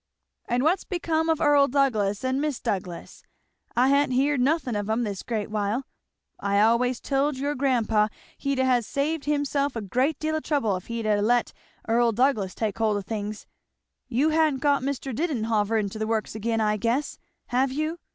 "And what's become of Earl Douglass and Mis' Douglass? I hain't heerd nothin' of 'em this great while. I always told your grandpa he'd ha' saved himself a great deal o' trouble if he'd ha' let Earl Douglass take hold of things. You ha'n't got Mr. Didenhover into the works again I guess, have you?